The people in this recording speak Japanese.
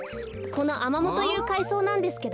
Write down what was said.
このアマモというかいそうなんですけどね。